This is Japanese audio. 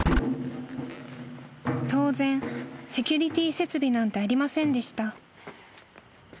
［当然セキュリティー設備なんてありませんでした］